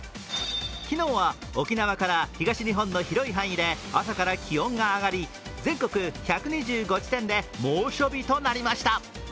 昨日は沖縄から東日本の広い範囲で、朝から気温が上がり、全国１２５地点で猛暑日となりました